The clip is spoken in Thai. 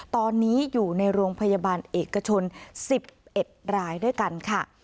ตอนนี้อยู่ในโรงพยาบาลเอกชน๑๑รายด้วยกันค่ะ